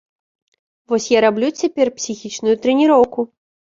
Вось я раблю цяпер псіхічную трэніроўку.